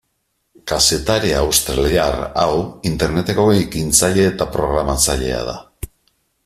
Kazetari australiar hau Interneteko ekintzailea eta programatzailea da.